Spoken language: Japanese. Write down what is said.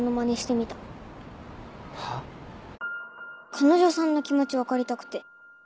彼女さんの気持ち分かりたくて。